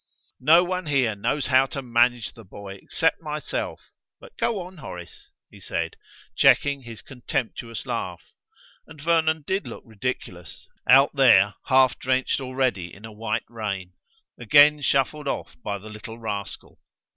"No one here knows how to manage the boy except myself But go on, Horace," he said, checking his contemptuous laugh; and Vernon did look ridiculous, out there half drenched already in a white rain, again shuffled off by the little rascal.